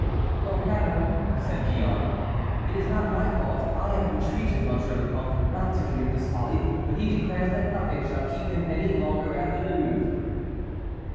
"Oh, madame," said Gillonne, "it is not my fault; I have entreated Monsieur le Comte not to commit this folly, but he declares that nothing shall keep him any longer at the Louvre."